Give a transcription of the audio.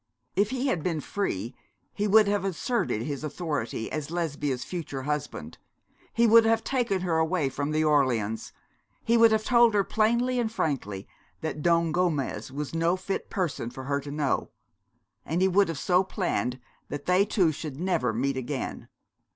If he had been free he would have asserted his authority as Lesbia's future husband; he would have taken her away from the Orleans; he would have told her plainly and frankly that Don Gomez was no fit person for her to know; and he would have so planned that they two should never meet again.